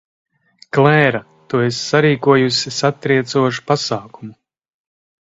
Klēra, tu esi sarīkojusi satriecošu pasākumu.